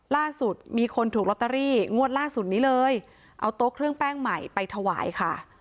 ล่าสุดมีคนถูกลอตเตอรี่งวดล่าสุดนี้เลยเอาโต๊ะเครื่องแป้งใหม่ไปถวายค่ะ